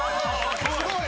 すごい！